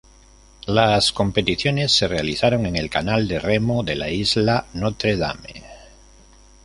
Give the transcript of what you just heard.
Las competiciones se realizaron en el canal de remo de la isla Notre-Dame.